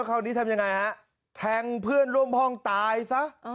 แล้วเค้านี้ทำยังไงครับแทงเพื่อนร่วมภองตายต่อ